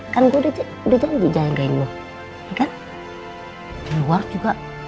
kan gue udah janggut jagain lo